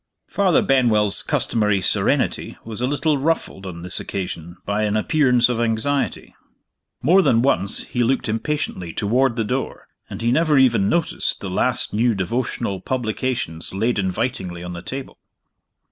Father Benwell's customary serenity was a little ruffled, on this occasion, by an appearance of anxiety. More than once he looked impatiently toward the door, and he never even noticed the last new devotional publications laid invitingly on the table.